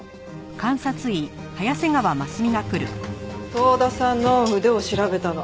遠田さんの腕を調べたの。